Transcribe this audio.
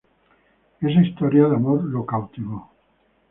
Esa historia de amor lo cautivó.